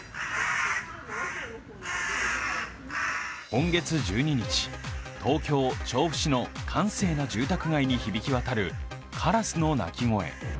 今月１２日、東京・調布市の閑静な住宅街に響き渡るカラスの鳴き声。